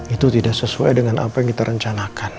itu tidak sesuai dengan apa yang kita rencanakan